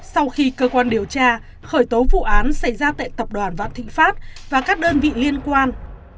sau khi cơ quan điều tra khởi tố vụ án xảy ra tại tập đoàn vạn thịnh pháp và các đơn vị liên quan